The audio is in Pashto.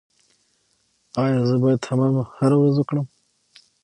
ایا زه باید حمام هره ورځ وکړم؟